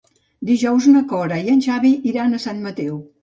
Dijous na Cora i en Xavi iran a Sant Mateu.